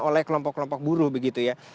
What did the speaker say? oleh kelompok kelompok buruh begitu ya